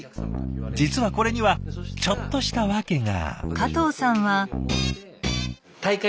実はこれにはちょっとした訳が。